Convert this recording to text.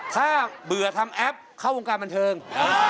ถ้าเบื่อทำแอปเข้าวงการบันเทิง